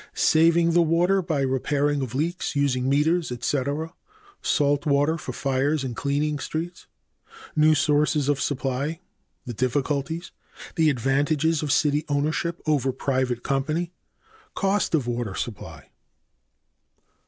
(a) Saving the water by the repairing of leaks, using meters, etc., salt water for fires and cleaning streets. (b) New sources of supply. The difficulties. h. The advantages of city ownership over private company. i. Cost of water supply.